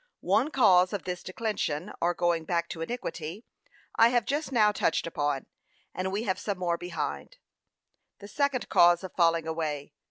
One cause of this declension, or going back to iniquity, I have just now touched upon, and we have some more behind. Second [Cause of falling away.